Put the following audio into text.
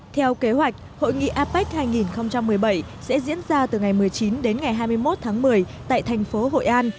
theo kế hoạch hội nghị apec hai nghìn một mươi bảy sẽ diễn ra từ ngày một mươi chín đến ngày hai mươi một tháng một mươi tại thành phố hội an